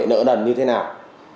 như thế nào